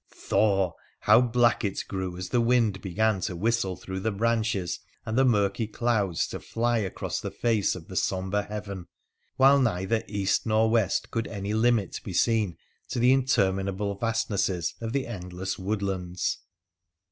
Thor ! how black it grew as the wind began to whistle through the branches and the murky clouds to fly across the face of the sombre heaven, while neither east nor west could any limit be seen to the interminable vastnesses of the endless woodlands